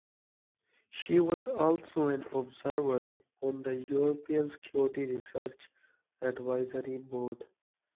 She was also an observer on the European Security Research Advisory Board.